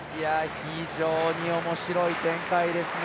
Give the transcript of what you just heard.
非常に面白い展開ですね。